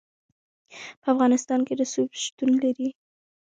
په افغانستان کې رسوب شتون لري.